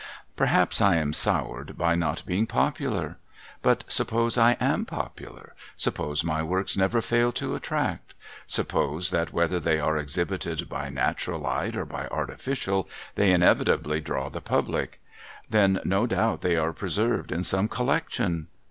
Perhaps I am soured by not being popular ? But suppose I am popular. Suppose my works never fail to attract. Suppose that, whether they are exhibited by natural light or by artificial, they inevitably draw the public. Then no doubt they are preserved in some Collection